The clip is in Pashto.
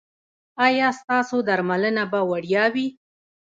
ایا ستاسو درملنه به وړیا وي؟